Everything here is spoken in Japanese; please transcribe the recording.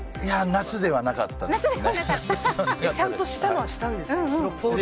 夏ではなかったですね。